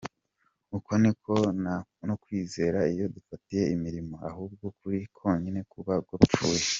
Uko ni ko no kwizera iyo kudafite imirimo, ahubwo kuri konyine kuba gupfuye.